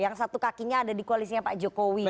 tentu kakinya ada di koalisnya pak jokowi